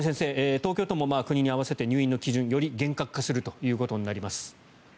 東京も国に合わせて入院の基準をより厳格化することになります。